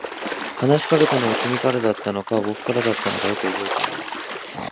話しかけたのは君からだったのか、僕からだったのか、よく覚えていない。